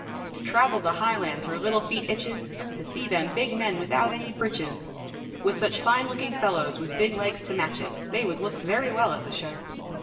To travel the highlands her little feet itches, To see them big men without any breeches, With such fine looking fellows with big legs to match it, They would look very well at the show.